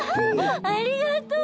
ありがとう！